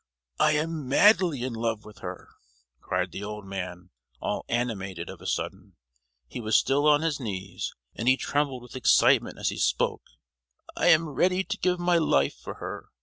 "I am madly in love with her!" cried the old man, all animated, of a sudden. He was still on his knees, and he trembled with excitement as he spoke. "I am ready to give my life for her!